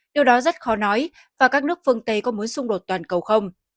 điều đó rất khó nói và các nước phương tây có mối xung đột toàn cầu không